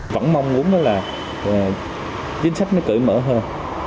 vẫn mong muốn chính sách nó cởi mở hơn